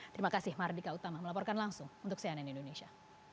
terima kasih mardika utama melaporkan langsung untuk cnn indonesia